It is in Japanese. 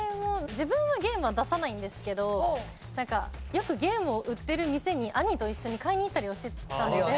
自分はゲームは出さないんですけどよくゲームを売ってる店に兄と一緒に買いに行ったりはしてたので。